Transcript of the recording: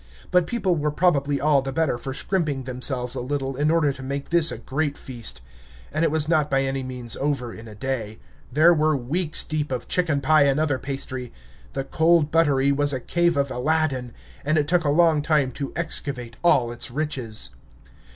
But people were probably all the better for scrimping themselves a little in order to make this a great feast. And it was not by any means over in a day. There were weeks deep of chicken pie and other pastry. The cold buttery was a cave of Aladdin, and it took a long time to excavate all its riches.